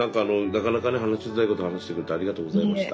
なかなかね話しづらいことを話してくれてありがとうございました。